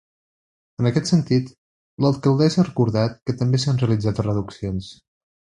En aquest sentit, l’alcaldessa ha recordat que també s’han realitzat reduccions.